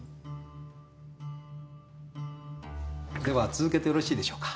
続けてよろしいでしょうか？